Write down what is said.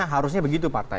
harusnya begitu partai